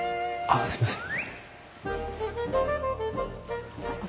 あっすいません。